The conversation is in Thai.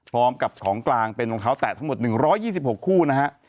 พร้อมกับของกลางเป็นรองเท้าแตะทั้งหมด๑๒๖คู่นะฮะ